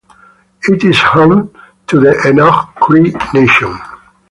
It is home to the Enoch Cree Nation.